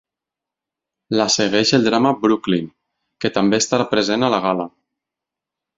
La segueix el drama ‘Brooklyn’, que també estarà present a la gala.